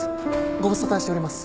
ご無沙汰しております。